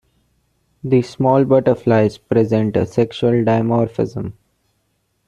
These small butterflies present a sexual dimorphism.